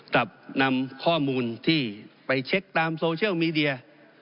กับนำข้อมูลที่ไปเช็คตามโซเชียลมีเดีย